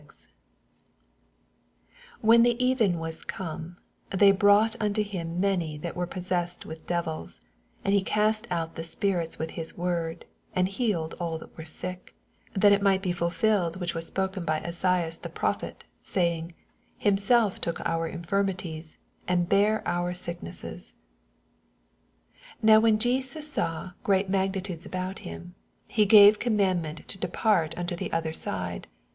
16 When the even was oome, they brought unto him many that were poeaesaed with devilB; and he cast out the spirits with hie word, and bealod all that were siok : 17 That it might be fulfilled which was spoken by Esaias the prophet| saying, Himself took our innrmitieB| and bare our sicknesses. 18 Now when Jeaas saw MATTHEW, CHAP. VHI. 7Y Dii/titndes about him, he gave oom inaLdment to depart unto the other lide.